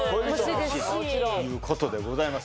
欲しいいうことでございます